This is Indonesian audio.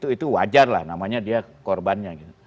itu wajar lah namanya dia korbannya